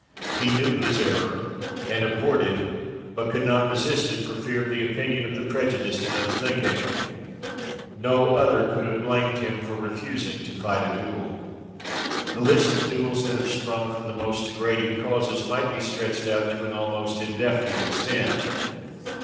He knew his error, and abhorred it, but could not resist it for fear of the opinion of the prejudiced and unthinking. No other could have blamed him for refusing to fight a duel. The list of duels that have sprung from the most degrading causes might be stretched out to an almost indefinite extent.